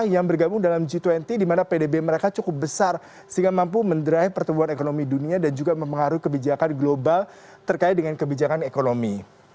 dan juga di dalamnya ada g dua puluh dimana pdb mereka cukup besar sehingga mampu menderaikan pertumbuhan ekonomi dunia dan juga mempengaruhi kebijakan global terkait dengan kebijakan ekonomi